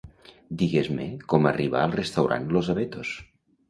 Digues-me com arribar al restaurant Los Abetos.